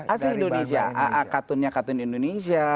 asli indonesia katunnya katun indonesia